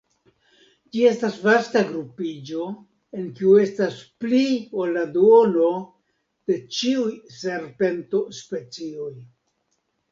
Ĝi estas vasta grupiĝo en kiu estas pli ol la duono de ĉiuj serpento-specioj.